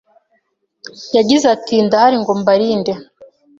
Yagize ati ndahari ngo mbarinde